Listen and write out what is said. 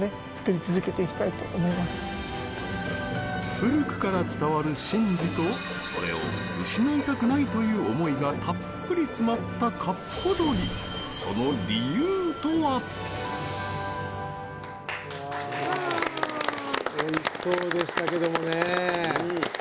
古くから伝わる神事とそれを失いたくないという思いがたっぷり詰まった「かっぽ鶏」おいしそうでしたけどもね。